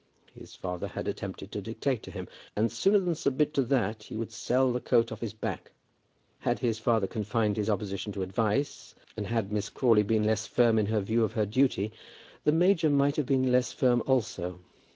His father had attempted to dictate to him, and sooner than submit to that he would sell the coat off his back. Had his father confined his opposition to advice, and had Miss Crawley been less firm in her view of her duty, the major might have been less firm also.